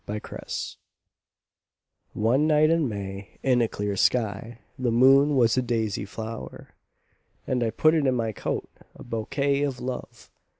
My Flower ONE night in May in a clear skyThe moon was a daisy flower:And! put it in my coat,A bouquet of Love!